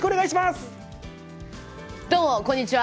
どうもこんにちは。